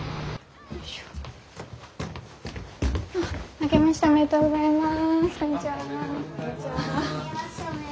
おめでとうございます。